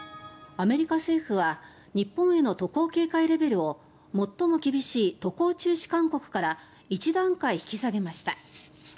アメリカ政府は日本への渡航警戒レベルを最も厳しい渡航中止勧告から１段階引き下げました。